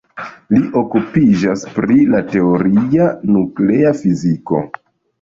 Li okupiĝas pri la teoria nuklea fiziko.